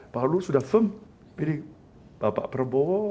pak luhut sudah firm pilih bapak prabowo